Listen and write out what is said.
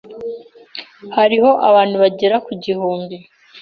Hariho abantu bagera ku gihumbi.